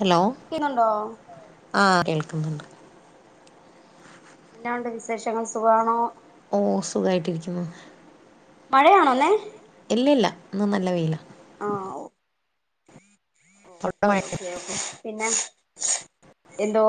Hello ഉണ്ടോ ആ കേൾക്കുന്നുണ്ട് എന്നാ ഉണ്ട് വിശേഷങ്ങൾ സുഖാണോ ഓ സുഖായിട്ടിരിക്കുന്നു മഴയാണോന്നെ ഇല്ല ഇല്ല ഇന്നും നല്ല വെയില ആഹ് ഓ അവിടെ മഴ പിന്നെ എന്തോ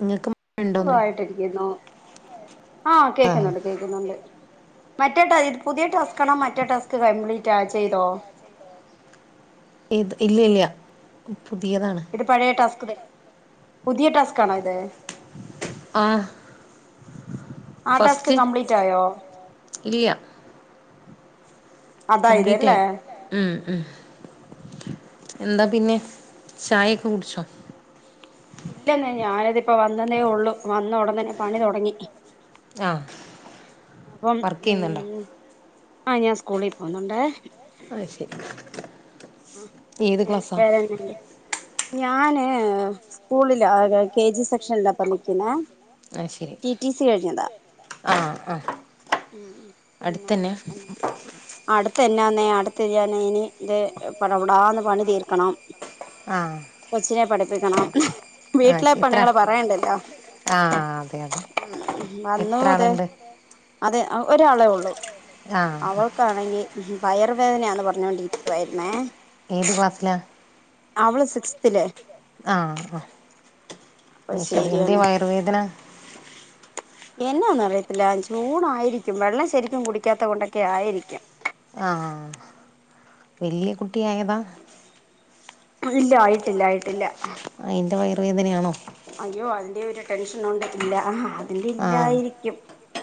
നിങ്ങക്കും സുഖായിട്ടിരിക്കുന്നു ആഹ് ആ കേക്കുന്നുണ്ട് കേക്കുന്നുണ്ട് മറ്റേ പുതിയ ടാസ്ക് ആണോ മറ്റേ ടാസ്ക് കംപ്ലീറ്റ് ആ ചെയ്തോ ഇത് ഇല്ല ഇല്ല പുതിയതാണ് ഇത് പഴയ ടാസ്ക് പുതിയ ടാസ്കാണോ ഇത് ആഹ് ആ ടാസ്ക് കംപ്ലീറ്റ് ആയോ ഇല്ല കംപ്ലീറ്റ് അതായതല്ലേ ആയി ഉം, ഉം എന്താ പിന്നെ ചായൊക്കെ കുടിച്ചോ ഇല്ലെന്നേ ഞാനതിപ്പ വന്നന്നേ ഉള്ളു വന്ന ഉടൻതന്നെ പണി തുടങ്ങി ആ വർക്കെയ്ന്നുണ്ടോ ആ ഞാൻ സ്കൂളി പോന്നുണ്ടേ ആ ശെരി ആ പിന്നെ വേറെന്നാണ്ട് ഞാന് സ്കൂളില് ആകെ കെ ജി സെക്ഷനിലാ പ്പാ നിക്ക്ന്നേ ആ ശരി റ്റി റ്റി സി കഴ്ഞ്ഞതാ ആ ആ ഉം പിന്നെ അടുത്തന്നെ എന്നാ അടു തന്നന്നെ അടുത്ത് ഞാനിനി ഇത് പടപാടാന് പണി തീർക്കണം ആ കൊച്നെ പഠിപ്പിക്കണം ആ വീട്ട്ലെ ശരി എത്ര പണികള് പറയണ്ടല്ലോ ആ അതെ അതെ ഉം വന്നു എത്ര തെ ആളുണ്ട് അത് ആ ഒരാളെ ഉള്ളു ആ ആ. അവൾക്കാണങ്കി വയറുവേദനയാന്ന് പറഞ്ഞൊണ്ടിരിക്കുവാര്ന്നേ ഏത് ക്ലാസ്സിലാ അവള് സിക്സ്ത്തില് ആഹ് അപ്പൊ ഉം ശെരി ശരിയെന്ന് എന്തിവയറുവേദന എന്നാന്നറിയത്തില്ല ചൂടായ്രിക്കും വെള്ളം ശെരിക്കും കുടിക്കാത്തകൊണ്ടൊക്കെ ആയിരിക്കും ആ വെല്യ കുട്ടി ആയത ഇല്ല ആയിട്ടില്ലായിട്ടില്ല അയിന്റ വയ വേദനയാണോ ഈ ഒരു ടെൻഷന് ഒണ്ട് ഇല്ല ആ ന്റെ ആഹ് ഇല്ലായിരിക്കും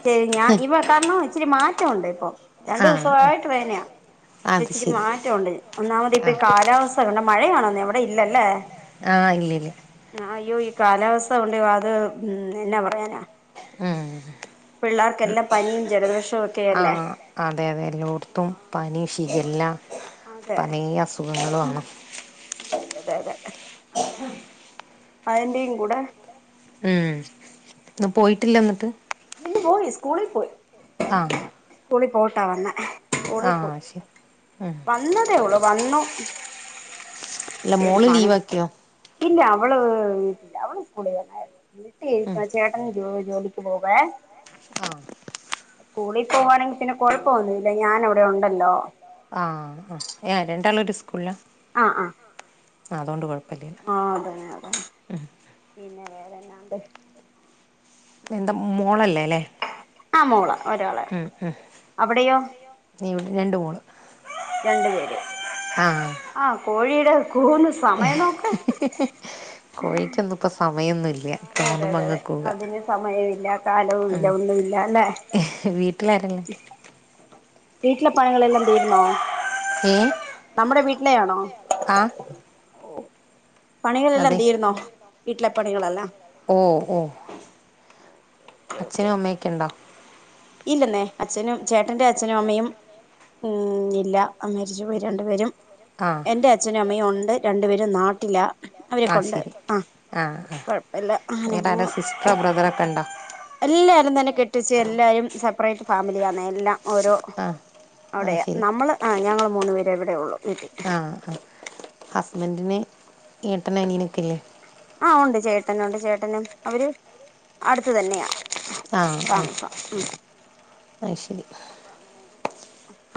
ശെരി ഞാ ഇവ കാരണം ഇച്ചിരി മാറ്റൊണ്ടിപ്പോ രണ്ടു ആഹ് ആഹ് ദുസവായ്ട്ട് വേനയാ ഇപ്പ അത് ഇച്ചിരി ശരി മാറ്റവൊണ്ട് ഒന്നാമത് ഇപ്പി ആഹ് കാലാവസ് [unintelligible] മഴയാണോന്നെ അവ്ടെ ഇല്ലല്ലേ ആ ഇല്ലില്ല അയ്യോ ഈ കാലാവസ്ഥ കൊണ്ട്അത് ഉ എന്നാ പറയാനാ പിള്ളേർക്കെല്ലാം പനിയും ജലദോഷവും ആ ഒക്കെയല്ലേ അതെ അതെ എല്ലോട്ത്തും ആഹ് പനി ഷിഗല്ല അതെ പനിം അസുഖങ്ങളുവ ആ അതെ അതെ അതെ അതെ അപ്പം അയ്ന്റെയും കൂടെ ഉം ഇന്ന് പോയ്ട്ടില്ലന്നിട്ട് ഇന്ന് പോയി സ്കൂള പോയി ആ കുളി പോട്ട വന്നെ ഒളിപ്പോ ശരി ഉം വന്നതേ എള വന്നു ഇല്ല ശരി മോള് ലീവ് പണി ആക്കിയോ ഇല്ല അവള് വീട്ടില് അവള് സ്കൂളിൽ വന്നായിരുന്നു ഉം വട്ടിക്ക ചോട്ടൻ ജോ ജോലിക്ക് പോവ ആഹ് സ്കൂളിൽ പോവവാണെങ്കിൽ പിന്നെ കൊഴപ്പ ഒൊന്നല്ല ഞാൻ അവിടെ ഒണ്ടല്ലോ രണ്ടാള ഒരു സ്കൂളിലാ ആ ആ ആ അതുകൊണ്ട് കൊ പല്ലിയ പിന്നെ വേറെന്നാണ്ട് എന്താ മോളല്ലേ അല്ലേ ആ മോള ഒരാള ഉം ഉം അവിടെയോ നീ ഇവിടെ രണ്ട് മോള് രണ്ടു പേര് ആ കോഴീട കോയിക്കന്ന ഇപ്പ മയൊന്നു അതെ അതെ അതെ അതെ അതിന് സമയല്ല കാലവും ഉം ഇലൊന്നുമ ഇല്ല അല്ലെ വീട്ടിലാരല്ലേ വീട്ടില പണങ്ങളെല്ലാം തീരുന്നൊ ഏ നമ്മുടെ വീ ഇല്ലയാണോ ആ പണികളെല്ലാം അതെ തീരുന്നോ വീട്ടിലെപ്പണികല്ലാ ഓ ഓ ഓക്കെ ഓക്കെ അച്ഛനും അമ്മയൊക്കെ ഉണ്ടോ ഇല്ലെന്നേ അച്ഛനും ചേട്ടന്റെ അച്ഛനും അമ്മയും ഉം ഇല്ല മ്മരിച്ചു പോയി രണ്ടു പേരും ആഹ് എന്റെ അച്ഛനും അമ്മയും ഒണ്ട് രണ്ടു പേരും നാട്ടിലാ അവരെ ആ കൊണ്ട് ശരി ആ ആഹ് ആ കൊഴപ്പമില്ല അങ്ങനെ വേറെ പോ ആരാ സിസ്റ്ററോ ബ്രദറൊക്കെ ഉണ്ടോ എല്ലാരും തന്നെ കെട്ടിച്ച് എല്ലായും സെപ്പറേറ്റ് ഫാമിലിയാണ് എല്ലാം ഓരോ ആഹ് ആ അവിടെയാ ശരി നമ്മൾ ആ ഞങ്ങ മൂന്ന് പേരെവിടെയള്ളൂ എഹ് ആ ആ ഹസ്ബൻഡന് ഏട്ടൻ അനിയനൊക്കെ ഇല്ലേ ആഹ് ഉണ്ട് ചേട്ടൻ ഉണ്ട് ചേട്ടനും അവര് അടുത്ത് തന്നെയാ ആഹ് ആഹ് താമസം ഉം അത് ശരി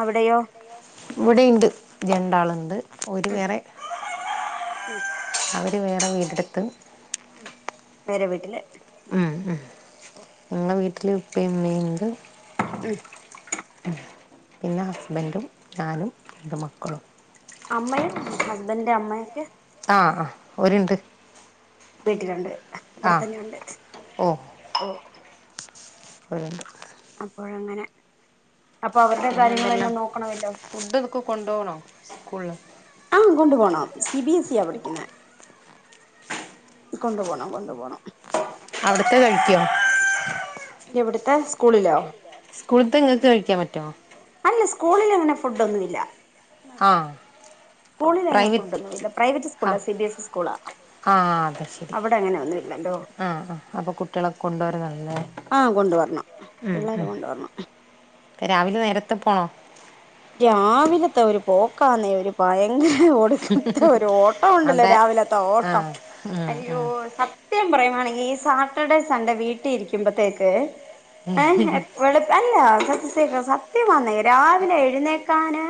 അവിടെയോ ഇവിടുണ്ട് രണ്ടാളുണ്ട് ഓരു ഉം വേറെ ഉം അവര് വേറെ വീടെടുത്ത് വേറെ വീട്ടില് ഉം ഉം ഉം നിങ്ങളെ വീട്ട വീട്ടിൽ ഉപ്പയും ഉമ്മയും ഉണ്ട് ഉം പിന്നെ ഹസ്ബൻറും ഞാനും രണ്ട് മക്കളും അമ്മയും ഹസ്ബന്റ ഇൻറെ അമ്മയൊക്കെ ആ ആ അവരുണ്ട് വീട്ടിലുണ്ട് ഇവിടെ തന്നെയ ഉണ്ട് ഓ ഉം അപ്പോഴ അങ്ങനെ അപ്പൊ അവരുടെ പിന്നെ എന്തെല്ലാം കാര്യങ്ങളെല്ലാം നോക്കണമല്ലോ ഫുഡ് ഒക്കെ കൊണ്ടു പോണോ സ്കൂളില് ആ കൊണ്ടു പോണം സി ബി എസ്ഇ പഠിക്കുന്ന കൊണ്ടു പോണം കൊണ്ടു പോണം അവിടുത്തെ കഴിക്കോ ഇവിടുത്തെ സ്കൂളിലോ സ്കൂളത്തെ നിങ്ങൾക്ക് കഴിക്കാൻ പറ്റുമോ അല്ല സ്കൂളിൽ അങ്ങനെ ഫുഡ് ഒന്നുമില്ല ആ സ്കൂളിൽങ്ങനെ ഫുഡ പ്രൈവറ്റ് ഒന്നുംല്ല പ്രൈവറ്റ് ആ school C B S E സ്കൂളാ ആ അതെ ശരി അവിടെ അങ്ങനെ ഒന്നുംല്ലല്ലോ ആ ആ അപ്പോൾ കുട്ടികളൊക്കെ കൊണ്ടുവരുന്നല്ലേ ആ കൊണ്ട് വരണം ഉം, പിള്ളാര് ഉം. കൊണ്ടുവരണം രാവിലെ നേരത്തെ പോണോ രാവിലത്തെ ഒരു പോക്ക് ആണേ ഒരു പയങ്ക ഓടത്തെ ഒരു ഓട്ടം ഉണ്ടല്ലോ അതെ രാവിലത്ത ആ ഓട്ടം ഉം, അയ്യോ ഉം. സത്യം പറയാ ആണെങ്കിൽ ഈ സാറ്റർഡേ സൺഡേ വീട്ടിൽ ഇരിക്കുമ്പോത്തേക്ക് ആഹ ഒളപ്പ അല്ല [unintelligible] സത്യം ആന്നേ രാവിലെ എഴ എഴുന്നേക്കാന്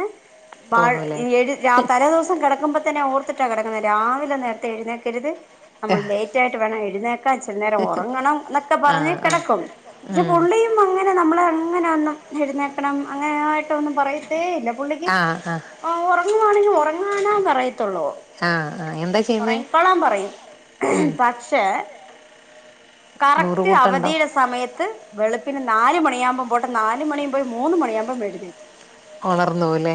മഴ തോന്നൂലേ എഴ് രാ തലേദിവസം കിടക്കുമ്പ തന്നെ ഓർത്തിട്ടാ കിടക്കുന്നത് രാവിലെ നേരത്തെ എഴുന്നേക്കരുത് നമ്മൾ ആ ലേറ്റായിട്ട് ട്ട് വേണം എഴുന്നേക്കാച് വൈകുന്നേരം ഒറങ്ങണം ന്നൊക്ക് ക്കെ പറഞ് ആ കെടക്കും പക്ഷെ ഉം. പുള്ളിയും അങ്ങനെ ന്നമ്മ്ളെ അങ്ങനെ ഒന്നും എഴുന്നേക്കണം അങ്ങനെആയിട്ടൊന്നും പറയ് പറയത്തി ല്ലേ പുള്ളികി ആ ആ ഓ ഒറക് ളുആണെങ്കിലൽ ഒറങ്ങാനാ പറയ് ത്തൊള്ളൂ ആഹ് ആഹ് എന്താ ചെയ്യുന്നെ ഒറങ്ങിക്കൊളാൻ പറയും ഉം പക്ഷെ നൂറ് കറക്റ്റ് കൂട്ടുണ്ടോ അവധിടെ സമയത്ത് വെളുപ്പിന് ന്നാല് മണിയാഉമ്പം പോട്ടെ ന്നാല് മണിയും പോയി മൂന്ന് മണിയാഉമ്പോ എഴുന്നേക്കും ഒണർന്നു ലേ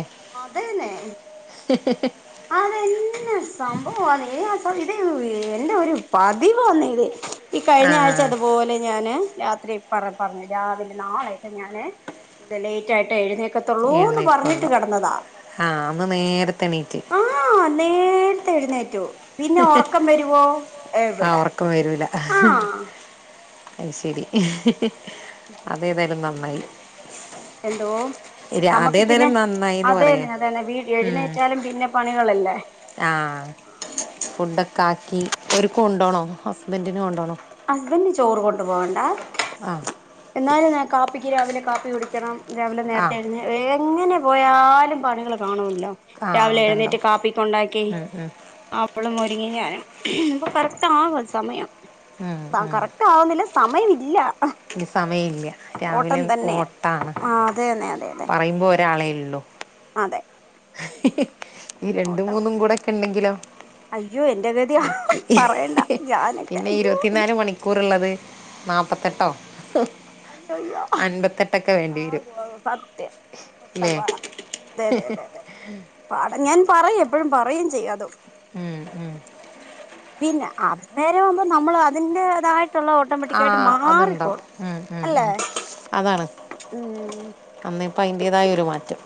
[unintelligible] അതന്നെ സംഭവ അതേ കഴ്ഞാസം ഇതെ എന്റെ ഒരു പതിവാന്നെ ഇത് ഇ ക്കഴിഞ ആഴ്ച ആഹ് അതുപോലെ ഞാന് രാത്രി പറ പറഞ്ഞ് രാവിലെ നാളെയൊക്കെ ഞാന് ലേറ്റ് ആയിട്ടേ എഴുന്നേക്കത്തൊൾ ന്നീക്കൊള്ളു ആ അന്ന് ന്നേര്ത്തെ എണീറ്റ് ആ ന്നേര്ത്തെ എഴുന്നേറ്റു പിന്നെ ഒറക്കം വരുവോ എവിടെ [unintelligible] ആഹ് അഹ് ശെരി [unintelligible] അതേ തായാലും ന്നന്ന് മ്മയി എന്തോ ന്നമക്ക് പിന്നെ അതേതായാലും നന്നായിന്ന് പറയാ അതെന്നെ അതന്നെ വീ എഴുന്നേറ്റാലും പിന്നെ പണികളെല്ലെ ആ ഫുഡൊക്ക ആക്കി ഓര്ക്ക് ഒണ്ടോണോ ഹസ്ബൻ്റന് ഒണ്ടോണോ ഹസ്ബൻ്റ് ചോറ് കൊണ്ട് പോണ്ട അ എന്നാലും ഞാ കാപ്പിക്കി രാവിലെ കാപ്പി കുടിക്കണം രാവിലെ ന്നേര്ത്തെ ആഹ് എഴ്ന്നെ വേ ങ്ങനെ പോയാലും പണികള് കാണുല്ലോ ആഹ് രാവിലെ എഴുന്നേറ്റ് അതുണ്ടാവും കാപ്പികെ ഒണ്ടാക്കി ഉം ഉം അപ് പ്പളും മുരിങ്ങിം ഞനും ഇപ്പ കറക്റ്റ് ആവു സമയം ഉം പാം കറക്റ്റ് ആവുന്നില്ല സമയം ഇല്ല സമയ ല്ല്യ രാവിലെ തന്നെയാ ഓട്ടാണ് ആ അതെന്നെ പറയുമ്പോ ഒരാളെ ള്ളു അതേ [inaudible] ഈ രണ്ടും മൂന്നും കൂടെ ഒക്കെ ഇണ്ടെങ്കിലോ അയ്യോ എന്റെ ഗതി പറയണ്ട [unintelligible] ഞാനൊക്കെ പിന്നെ അയ്യോ ഇരുവത്തിന്നാല് മണിക്കൂറ് ഉള്ളത് നാപ് കേട്ടോ അയ്യയ്യോ വരും ആവോ സത്യം അല്ലേ കഷ്ടപ്പാട അതെ അതെ അതെ പാടം ഞാൻ പറയും എപ്പഴും പറയും ചെയ്യാതോ ഉം ഉം പിന്നെ അന്നേരാവുമ്പൊ നമ്മള് അതിന്റേതായിട്ട - ട്ടൊള്ള ഓട്ടോ ആ മട്ടിക്കാ [unintelligible] യിട്ട് മാറിക്കോ അതുണ്ടാവും ഉം, ഉം, അല്ലേ ഉം. ഉം പ്പയിന്റേതായൊരുമാറ്റം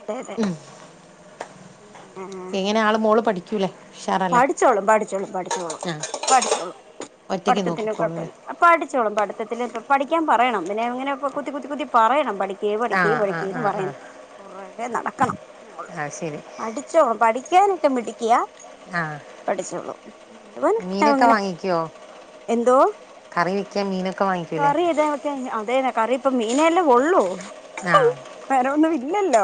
അതെയതെ എങ്ങനാ ആള് മോള് പഠി ക്കൂലെ പഠിച്ചോളും പഠിച്ചോളും പഠിച്ചോളും പഠിച്ചോളും ഒറ്റയ്ക്ക് പഠിതത്തിന്ന് നോക്കിക്കോളൂ അല്ലേ കൊഴപ്പല്ല പഠിച്ചോളും പഠിത ന്നെ പഠിക്കാൻ പറയണം പിന്നെ ഇങ്ങനെ കുത്തി കുത്തി കുത്തി പറയണം പഠിക്ക ക് ആ പഠിക്ക് പഠിക്ക് ആ ആ പഠിക്ക്ന്ന് ആ പറയണം കേ നടക്കണം നെ ഒള്ളു ആ ശരി പഠിച്ചോ പഠി കാനൊക്കെ മിടിക്കിയ ആ പഠിച്ചോളും [unintelligible] മീനൊക്കെ ഇങ്ങനെ വാങ്ങിക്കുവോ എന്തോ ക്കാമീനൊ കറി ഇതാ തേങ്ങ ആഹ് അതേന് കറി ഇപ്പം മീനേല്ലേ ഉള്ളൂ ആ വേറെ ഒന്ന് വി ഇല്ലിൽ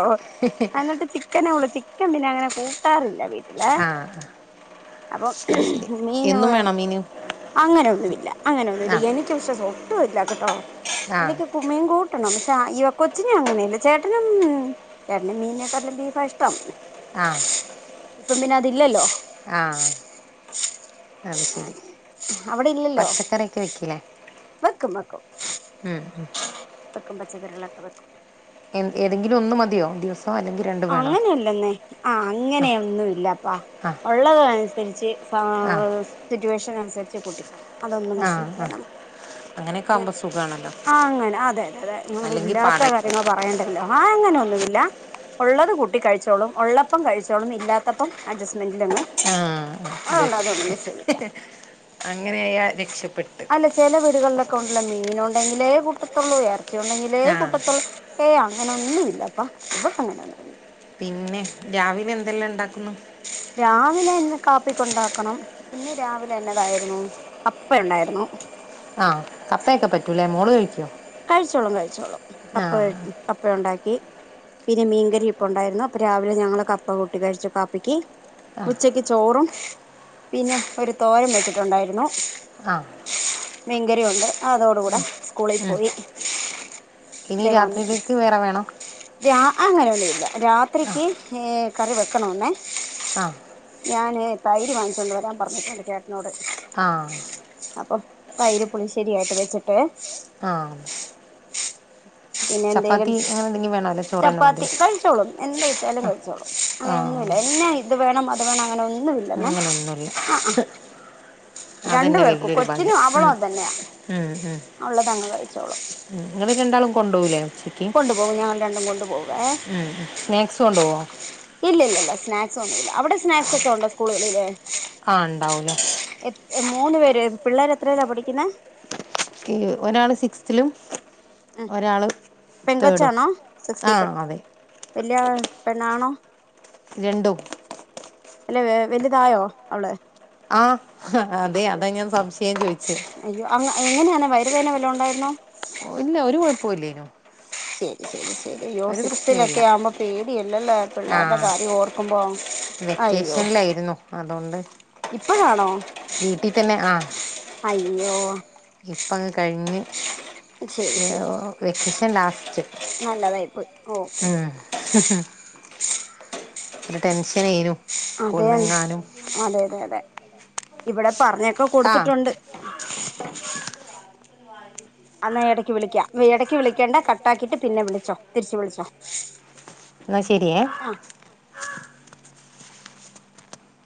അന്നിട്ട് ചിക്കനോ ഒളി ക്കെന്തിനാങ്ങനെ കൂട്ടാറില്ല വീട്ട് ലെ ആ ആ, അപ്പൊ ശരി മീനോ എന്നും വേണം മീന് അങ്ങനൊന്നുവില്ല ആ അങ്ങനൊന്നുവില്ല എനിക്ക് പഷെ സൊ ഇല്ല കെട്ടോ ആ എനിക്ക് കുമിയിൻകൂ [unintelligible] ഇ ഒ കൊച്ചിന് അങ്ങനെയല്ല ചേട്ടനും ഏട്ടന് മീനക്കാട്ട്ലും ബീഫാ ഇഷ്ടം ആഹ് ഇപ്പം പിന്ന അതില്ലല്ലോ ആഹ് അത് ശരി അവിടെ ഇല്ലല്ലോ പച്ചക്കറിയൊക്കെ വെക്കീലെ വെക്കും വെക്കും വെക്കും പച്ചക്കറികളോക്കെ വെക്കും ഏ ഏതെങ്കിലും ഒന്ന് മതിയോ ദിവസം അല്ലെങ്കിൽ രണ്ടും വേണോ അങ്ങനല്ലെന്നെ ആ ആ അങ്ങനെ ഒന്നൂല്ലാപ്പാ ആ ഒള്ളത് തിരിച്ച് ആ [unintelligible] സിറ്റുവേഷനനുസരിച്ച് പൊട്ടി അതൊന്നും ആ വിഷയല്ല ആ നമുക്ക് അങ്ങനെയൊക്കെ അഅതെന്നും ആകുമ്പോൾ [unintelligible] സുഖമാണല്ലോ ആ അങ്ങനെ അതെ അതെ അതെ നമ്മൾ അല്ലെങ്കിൽ ഇല്ലാത്ത പാടായി പോകും കാര്യങ്ങൾ പറയേണ്ട ആ അങ്ങനെയ ഒന്നുമില്ല ഉള്ളത് കൂട്ടി കഴിച്ചോളും ഉള്ളപ്പം കഴിച്ചോളും ഇല്ലാത്തപ്പം അഡ്ജസ്റ്റ്മെന്റ് ആഹ അതെ വിഷയമില്ല അങ്ങനെയായാ രക്ഷപ്പെട്ട് [unintelligible] മീൻ ഉണ്ടെങ്കിലേ കൂട്ടത്തുള്ളൂ യെട ഉണ്ടെങ്കിലേ ആ കൂട്ടത്തുള്ളു ഏ അങ്ങനെന്നുമില്ലപ്പാ പ്പ [unintelligible] രാവില എന്തെല്ലാം ഉണ്ടാക്കുന്നു രാവിലെ എന്നെ കാപ്പിക്കൊണ്ടാക്കണം ഇന്ന് രാവിലെ എന്നതായിരുന്നു കപ്പ ഒണ്ടായിരുന്നു ആഹ കപ്പയൊക്കെ പറ്റൂലേ മോള് കഴിക്കോ കഴിച്ചോളും കഴിച്ചോളും ആ കപ്പ കപ്പ ഉണ്ടാക്കി പിന്നെ മീൻകരി ഇപ്പ ഉണ്ടായിരുന്നു അപ്പൊ രാവിലെ ഞങ്ങള് കപ്പ കൂട്ടി കഴിച്ചു കാപ്പിക്ക് ആ ഉച്ചക്ക് ചോറും പിന്നെ ഒരു തോരും വെച്ചി ട്ടുണ്ടായിരുന്നു ആ മീൻകരി ഉണ്ട് അതോട കൂടെ സ്കൂളിൽ ഉം. പോയി ഇനി ദേ രാത്രിയിലേക്ക് വേറെ വേണോ അങ്ങനെ ഒന്നു ല്ല ആ രാത്രിക്ക് കറി വെക്കണോന്നെ ആ ഞാൻ തൈര് വങ്ങിച്ചൊണ്ട് വരാ പറഞ്ഞിട്ടുണ്ട് ചേട്ടാനോട് ആഹ അപ്പൊ തൈര് പുളിശേരിയായിട്ട് വെച്ചിട്ട് ആ പിന്നെ എന്തേലും എന്തെങ്കിലും വേണോ അല്ല ചോറ് തന്നെ ചപ്പാത്തി മതിയോ കഴിച്ചോളും എന്ത് വെച്ചാലും ആഹ് കഴിച്ചോളും. അങ്ങനെ ആഹ് ഒന്നുല്യ എന്നാ ഇത് വേണംഅത് വേ ഞാൻ അങ്ങനൊന്നും ഒന്നുല്യ ന്ന അങ്ങനെയൊന്നുമില്ല അതന്നെ വലിയൊരു ഭാഗ്യം. ഉ തന്നെയാ ഉ ഉ ഉള്ളതങ്ങ് ഇങ്ങള് രണ്ടാളും കൊണ്ടോവൂലെ കൊണ്ടു പോകും ഞങ്ങൾ രണ്ടും കൊണ്ടു പോവെ ഉം ഉം സ്നാക്സ് കൊണ്ടുപോവോ ഇല്ല ഇല്ല ഇല്ല സ്നാക്സ് ഒന്നുല്യ അവിടെ സ്നാക്സ് ഒക്കെ ഉണ്ടോ സ്കൂളുകളിലേ ആഹ ഉണ്ടാവൂലോ എ മൂന്ന് പേര് പിള്ളേര് എത്രില്ലാ പഠിക്കുന്നേ ഒരാള് സിക്സ്ത്തിലും ഉം ഒരാള് തേടും ആ അതെ വല്യ പെണ്ണാണോ രണ്ടും അല്ലെ വെ വലുതായോ അവള്. ആ ഹാ അതെ അയ്യോ അതാ ഞാൻ സംശയം ചോയിച്ചേ അയ്യോ അങ്ങ് എങ്ങനെയാണ് വയറുവേദന വല്ലോ ഉണ്ടായിരുന്നോ? ഇല്ല ഒരു കുഴപ്പല്ലേനു. ശരി ശരി [unintelligible] യ്യോ സിക്സ്ത്തിലൊക്കെ ആവുമ്പോ പേടിയല്ലല്ലേ ആ പിള്ളേരുടെ കാര്യം ഓർക്കുമ്പോ അയ്യോ വെക്കേഷനിലായിരുന്നു അതുകൊണ്ട് ഇപ്പഴാണോ വീട്ടിൽ അയ യ്യോ ഇപ്പങ്ങ് കഴിഞ്ഞ് ശരി ശരി വെക്കേഷൻ ലാസ്റ്റ് നല്ലതായി പോയി ഓക്കെ ഉം ഹും ഹും ടെൻഷനേനു അതെ സ്കൂളിന്നെങ്ങാനും അതെ അതെ അതെ ഇവിടെ പറഞ്ഞൊക്കെ ആ കൊടുത്തിട്ടുണ്ട്. അന്നാ ഇടക്ക് വിളിക്കാം ഇടക്ക് വിളിക്കേണ്ട കട്ടാക്കിട്ട് പിന്നെ വിളിച്ചോ തിരിച്ച് വിളിച്ചോ എന്നാ ശെരിയേ ആ